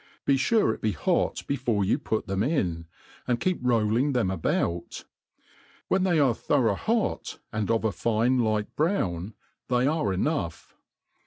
Be fure it be hot before you put them in, and keep rolling them about. When they are thorough hot, and of a fine light brown, they are enough.